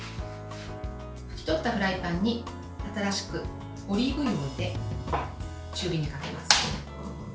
拭き取ったフライパンに新しくオリーブ油を入れ中火にかけます。